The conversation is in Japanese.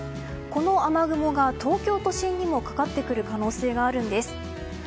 この雨雲が東京都心にもかかってくる可能性があるんです。